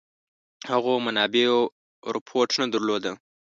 هغو منابعو رپوټ نه درلوده.